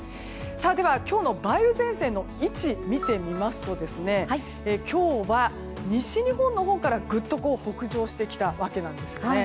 では、今日の梅雨前線の位置を見てみますと今日は西日本のほうからグッと北上してきたわけですね。